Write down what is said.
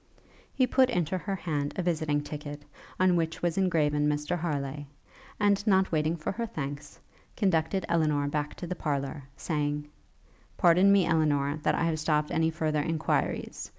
He put into her hand a visiting ticket, on which was engraven Mr Harleigh, and, not waiting for her thanks, conducted Elinor back to the parlour, saying, 'Pardon me, Elinor, that I have stopt any further enquiries.